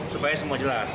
supaya semua jelas